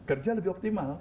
kerja lebih optimal